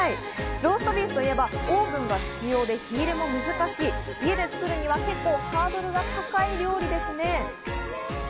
ローストビーフといえばオーブンが必要で、火入れも難しい、家で作るには結構ハードルが高い料理ですね。